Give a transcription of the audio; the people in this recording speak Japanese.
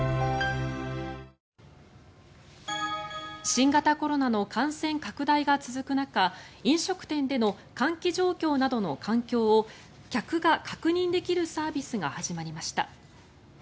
新型コロナの感染拡大が続く中飲食店での換気状況などの環境を客が確認できるサービスが始まりました。